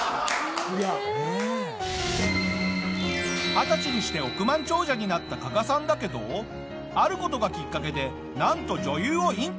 二十歳にして億万長者になった加賀さんだけどある事がきっかけでなんと女優を引退。